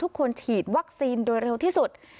ทุกคนฉีดวัคซีนโดยเร็วที่สุด